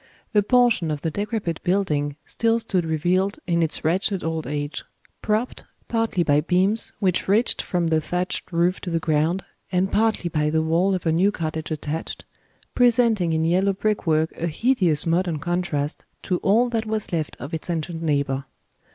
A portion of the decrepit building still stood revealed in its wretched old age; propped, partly by beams which reached from the thatched roof to the ground, and partly by the wall of a new cottage attached, presenting in yellow brick work a hideous modern contrast to all that was left of its ancient neighbor.